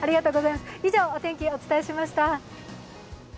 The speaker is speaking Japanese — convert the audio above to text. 以上、お天気お伝えしました。